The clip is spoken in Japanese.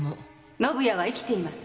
宣也は生きています。